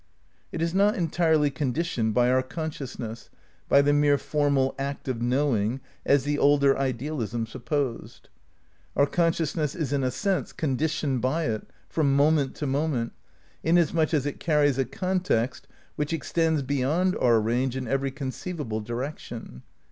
It is not entirely conditioned by our consciousness, by the mere formal, act of knowing, as the older idealism supposed. Our consciousness is in a sense conditioned by it, from moment to moment, inasmuch as it carries a context which extends beyond our range in every con ceivable direction.